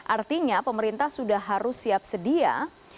artinya pemerintah sudah harus siap sedia